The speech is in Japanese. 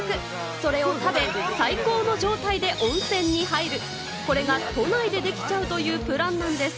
それを食べ、最高の状態で温泉に入る、これが都内でできちゃうというプランなんです。